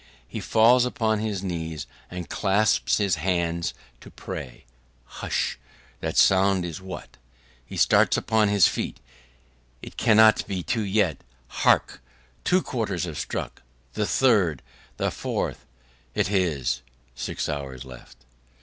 He falls upon his knees and clasps his hands to pray. Hush! what sound was that? He starts upon his feet. It cannot be two yet. Hark! Two quarters have struck; the third the fourth. It is! Six hours left.